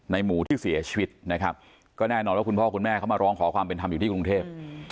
หมูที่เสียชีวิตนะครับก็แน่นอนว่าคุณพ่อคุณแม่เขามาร้องขอความเป็นธรรมอยู่ที่กรุงเทพ